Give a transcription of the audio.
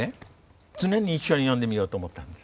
常に一緒に読んでみようと思ったんです。